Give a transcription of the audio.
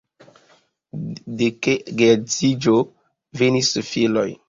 De ke geedziĝo venis du filoj.